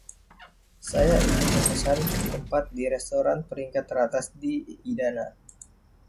Saya ingin memesan tempat di restoran peringkat teratas di Idana.